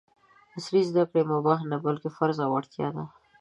عصري زده کړې مباح نه ، بلکې فرض او اړتیا ده!